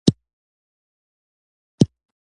وږمې ړندې دي د کړکېو رڼا نه ویني